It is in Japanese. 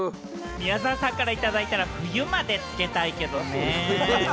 宮沢さんからいただいたら、冬までつけたいけどね。